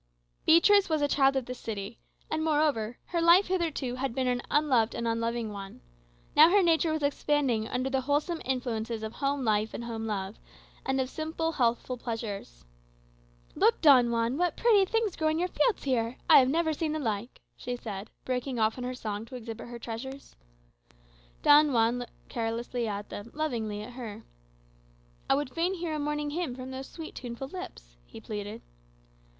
Beatrix was a child of the city; and, moreover, her life hitherto had been an unloved and unloving one. Now her nature was expanding under the wholesome influences of home life and home love, and of simple healthful pleasures. "Look, Don Juan, what pretty things grow in your fields here! I have never seen the like," she said, breaking off in her song to exhibit her treasures. Don Juan looked carelessly at them, lovingly at her. "I would fain hear a morning hymn from those sweet, tuneful lips," he pleaded.